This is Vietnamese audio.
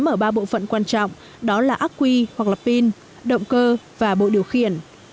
và sẽ mở ba bộ phận quan trọng đó là aque hoặc là pin động cơ và bộ điều khiển